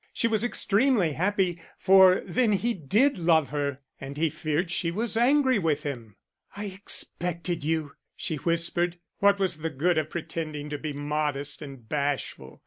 She was extremely happy, for then he did love her; and he feared she was angry with him. "I expected you," she whispered. What was the good of pretending to be modest and bashful?